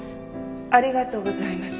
ありがとうございます。